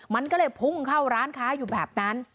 มันก็เลยพุ่งเข้าร้านค้าอยู่แบบนั้น